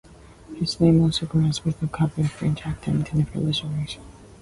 His name also graces the Governor French Academy in Belleville, Illinois.